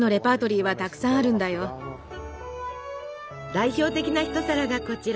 代表的な一皿がこちら。